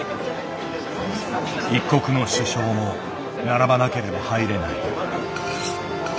一国の首相も並ばなければ入れない。